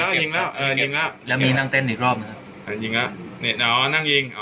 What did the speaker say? เดี๋ยวจะมีจังหวะนั่งปืน